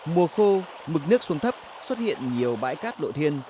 mùa khô mực nước xuống thấp xuất hiện nhiều bãi cát độ thiên